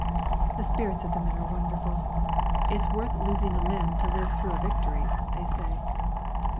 The spirits of the men are wonderful. "It's worth losing a limb to live through a victory!" they say.